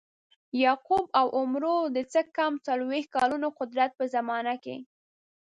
یعقوب او عمرو د څه کم څلویښت کلونو قدرت په زمانه کې.